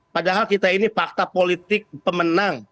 padahal kita ini fakta politik pemenang